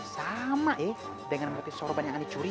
sama ya dengan motif sorban yang aneh curi